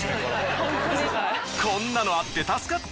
こんなのあって助かった！